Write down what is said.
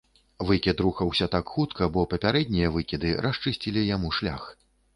Выкід рухаўся так хутка, бо папярэднія выкіды расчысцілі яму шлях.